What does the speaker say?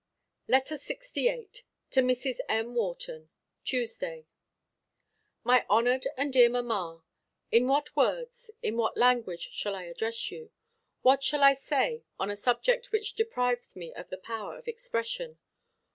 LETTER LXVIII. TO MRS. M. WHARTON. TUESDAY. My honored and dear mamma: In what words, in what language shall I address you? What shall I say on a subject which deprives me of the power of expression?